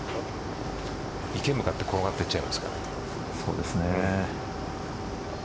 池に向かって転がっていっちゃいますから。